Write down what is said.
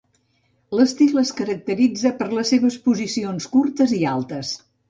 L'estil es caracteritza per les seves posicions curtes i altes.